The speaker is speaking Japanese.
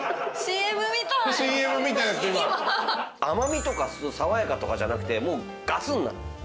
甘味とか爽やかとかじゃなくてもうガツン。